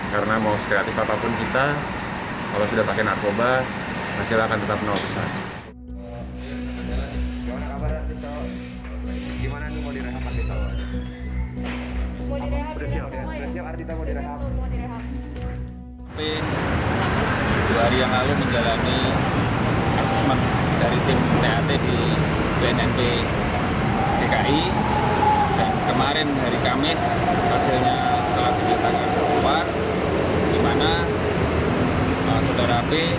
karena mau sekreatif apapun kita kalau sudah pakai narkoba hasilnya akan tetap menolak besar